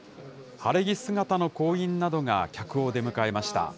晴れ着姿の行員などが客を出迎えました。